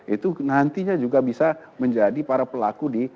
itu nantinya juga bisa menjadi para pelaku di